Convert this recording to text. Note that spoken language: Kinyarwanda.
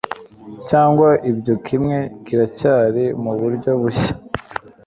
Cyangwa ibyo kimwe kiracyari muburyo bushya